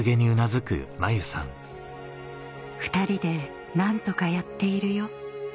「２人で何とかやっているよ」